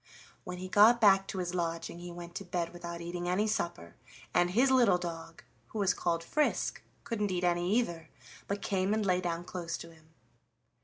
When he got back to his lodging he went to bed without eating any supper, and his little dog, who was called Frisk, couldn't eat any either, but came and lay down close to him.